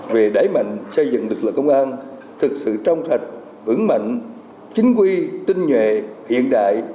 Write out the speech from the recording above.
về đẩy mạnh xây dựng lực lượng công an thực sự trong sạch vững mạnh chính quy tinh nhuệ hiện đại